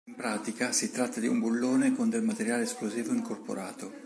In pratica, si tratta di un bullone con del materiale esplosivo incorporato.